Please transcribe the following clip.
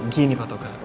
gini pak toga